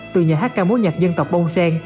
từ nhà hát ca mối nhạc dân tộc bông sen